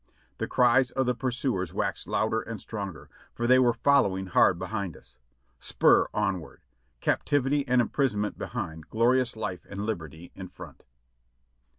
The cries of the pursuers waxed louder and stronger, for they were following hard behind us. Spur onward ! Captivity and imprisonment behind, glorious life and liberty in front